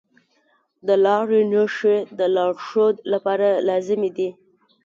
د لارې نښې د لارښود لپاره لازمي دي.